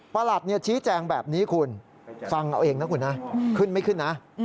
หลัดชี้แจงแบบนี้คุณฟังเอาเองนะคุณนะขึ้นไม่ขึ้นนะ